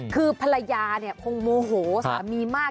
คือภรรยาเนี่ยคงโมโหสามีมาก